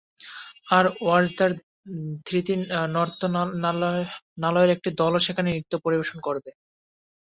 আর ওয়ার্দার ধৃতি নর্তনালয়ের একটি দলও সেখানে নৃত্য পরিবেশন করবে।